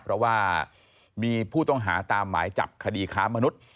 เพราะว่ามีผู้ต้องหาตามหมายจับคดีค้ามนุษย์